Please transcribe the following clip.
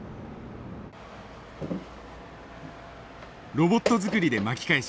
ロボット作りで巻き返し